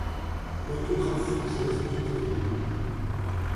L'orthographe française est terril.